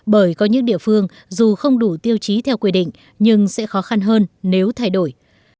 bởi có những địa phương dù không đủ tiêu chí theo quy định nhưng sẽ khó khăn hơn nếu thay đổi